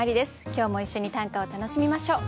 今日も一緒に短歌を楽しみましょう。